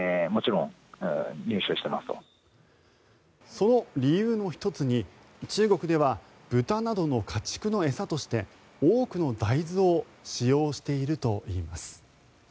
その理由の１つに中国では豚などの家畜の餌として多くの大豆を使用しているといいます。